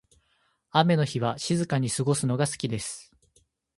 雨の日は静かに過ごすのが好きです。